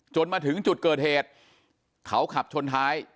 มาถึงจุดเกิดเหตุเขาขับชนท้าย